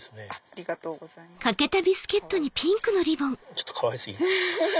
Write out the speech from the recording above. ちょっとかわい過ぎ。